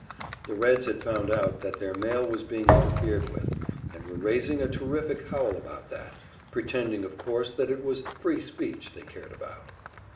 The Reds had found out that their mail was being interfered with, and were raising a terrific howl about that pretending, of course, that it was "free speech" they cared about!